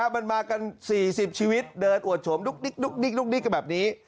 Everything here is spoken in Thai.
มันมากัน๔๐ชีวิตเดินอวดโฉมดึกแบบนี้